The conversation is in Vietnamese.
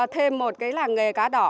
thêm một cái làng nghề cá đỏ